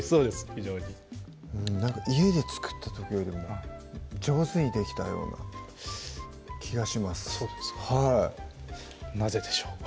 非常に家で作った時よりも上手にできたような気がしますそうですかはいなぜでしょう？